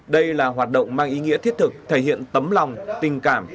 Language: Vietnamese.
đây là hoạt động mang ý nghĩa thiết thực thể hiện tấm lòng tình cảm